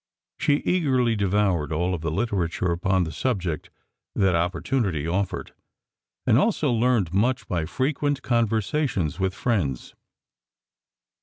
She eagerly devoured all of the literature upon the subject that opportunity offered, and also learned much by frequent conversations with friends.